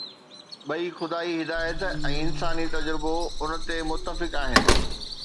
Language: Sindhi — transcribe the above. ٻئي خدائي هدايت ۽ انساني تجربو ان تي متفق آهن.